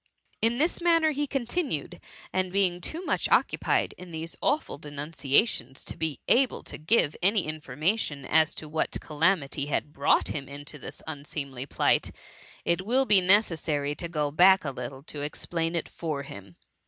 '' In this manner he continued ; and being too much occupied in these awful denunciations, to be able to give any information as to what cala mity had brought him into this unseemly plight, it will be necessary to go back a little to explain it for him.